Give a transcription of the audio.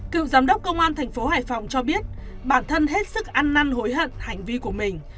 cựu giám đốc công an thành phố hải phòng cho biết bản thân hết sức ăn năn hối hận hành vi của mình